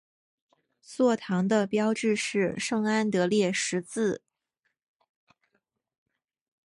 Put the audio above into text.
座堂的标志是圣安德烈十字。